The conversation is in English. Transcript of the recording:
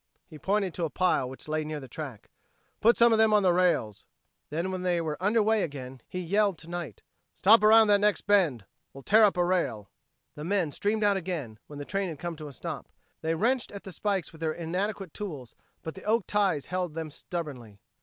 He pointed to a pile which lay near the track. "Put some of them on the rails." Then when they were under way again, he yelled to Knight, "Stop around that next bend we'll tear up a rail." The men streamed out again, when the train had come to a stop; they wrenched at the spikes with their inadequate tools, but the oak ties held them stubbornly.